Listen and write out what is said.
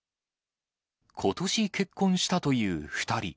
ことし結婚したという２人。